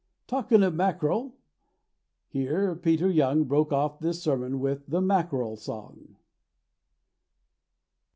"Talkin' of mackerel"—Here Peter Young Broke off this sermon with the "Mackerel Song."